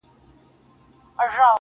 ښکلا د دې؛ زما.